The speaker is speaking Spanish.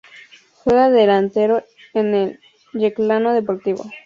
Juega de delantero en el Yeclano Deportivo.